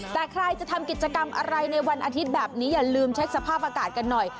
แต่ใครจะทำกิจกรรมอะไรในวันอาทิตย์แบบนี้อย่าลืมเช็คสภาพอากาศกันหน่อย